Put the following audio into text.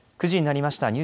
９時になりました。